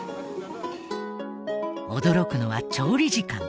驚くのは調理時間。